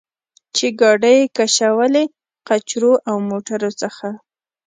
چې ګاډۍ یې کشولې، قچرو او موټرو څخه.